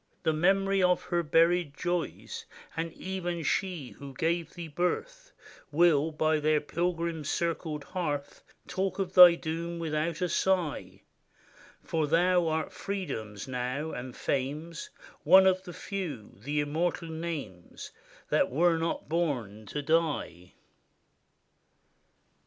The memory of her buried joys, And even she who gave thee birth, 226 MARCO BOZZARIS Will, by their pilgrim circled hearth, Talk of thy doom without a sigh : For thou art Freedom's now, and Fame's; One of the few, the immortal names, That were not bom to die.